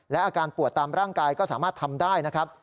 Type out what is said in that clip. และอาการปวดตามร่างกายก็สามารถทำได้นะครับ